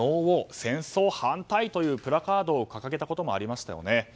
戦争反対というプラカードを掲げたこともありましたよね。